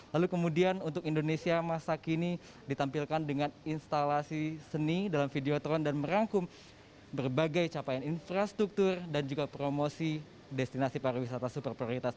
lalu kemudian untuk indonesia masa kini ditampilkan dengan instalasi seni dalam videotron dan merangkum berbagai capaian infrastruktur dan juga promosi destinasi pariwisata super prioritas